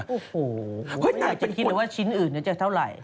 คิดว่าชิ้นอื่นจะเท่าไหร่